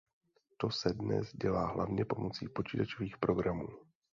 To se dnes dělá hlavně pomocí počítačových programů.